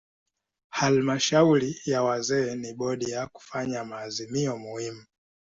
Halmashauri ya wazee ni bodi ya kufanya maazimio muhimu.